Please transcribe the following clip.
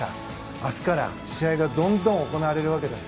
明日から試合がどんどん行われるわけです。